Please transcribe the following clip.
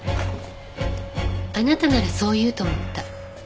あなたならそう言うと思った。